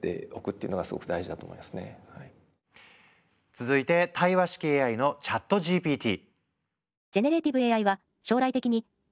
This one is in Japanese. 続いて対話式ＡＩのＣｈａｔＧＰＴ。